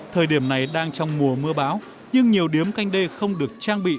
thời điểm này đang trong mùa mưa bão nhưng nhiều điếm canh đê không được trang bị